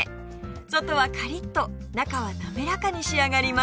外はカリッと中はなめらかに仕上がります